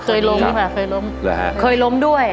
เคยล้มค่ะเคยล้มเหรอฮะเคยล้มด้วย